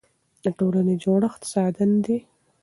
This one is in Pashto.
د ټولنې جوړښت ساده نه دی.